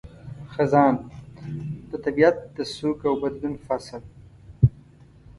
خزان – د طبیعت د سوګ او بدلون فصل